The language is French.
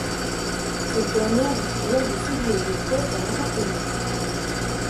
Cette dernière lui suggère de sous louer une pièce dans l’appartement.